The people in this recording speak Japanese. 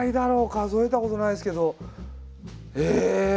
数えたことないですけど。